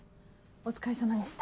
お疲れさまでした。